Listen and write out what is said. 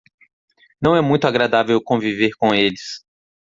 Não é muito agradável conviver com eles.